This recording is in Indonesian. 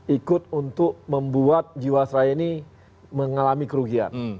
ikut untuk membuat jiwasraya ini mengalami kerugian